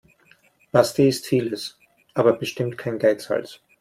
Basti ist vieles, aber bestimmt kein Geizhals.